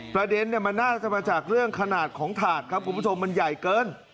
ประเด็นมันน่าจะมาจากเรื่องขนาดของถาดครับคุณผู้ชมมันใหญ่เกิน